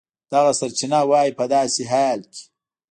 دغه سرچینه وایي په داسې حال کې